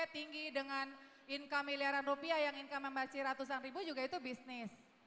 tinggi dengan income miliaran rupiah yang income yang masih ratusan ribu juga itu bisnis